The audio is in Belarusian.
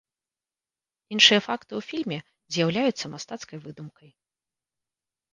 Іншыя факты ў фільме з'яўляюцца мастацкай выдумкай.